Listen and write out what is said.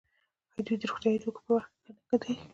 آیا دوی د روغتیايي توکو په برخه کې ښه نه دي؟